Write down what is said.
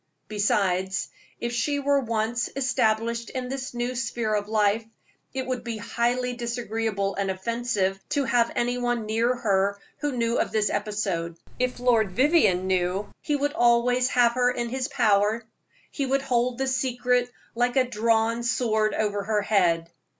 Besides, if she were once established in this new sphere of life, it would be highly disagreeable and offensive to have any one near her who knew of this episode. If Lord Vivianne know, he would always have her in his power; he would hold the secret like a drawn sword over her head.